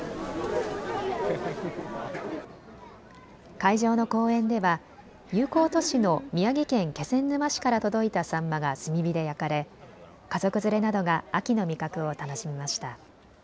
会場の公園では友好都市の宮城県気仙沼市から届いたサンマが炭火で焼かれ家族連れなどが秋の味覚を楽しみました。